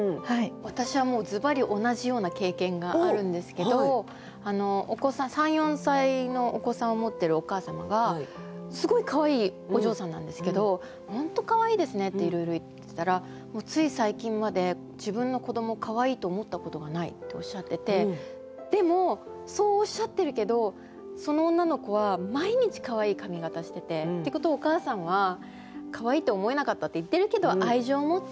私はもうズバリ同じような経験があるんですけど３４歳のお子さんを持ってるお母様がすごいかわいいお嬢さんなんですけど「本当かわいいですね」っていろいろ言ってたら「つい最近まで自分の子どもをかわいいと思ったことがない」っておっしゃっててでもそうおっしゃってるけどその女の子は毎日かわいい髪形しててってことはお母さんはかわいいって思えなかったって言ってるけど愛情持って。